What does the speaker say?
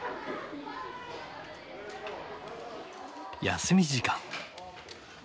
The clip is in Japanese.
休み時間。